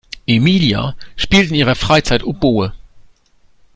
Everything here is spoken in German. Emilia spielt in ihrer Freizeit Oboe.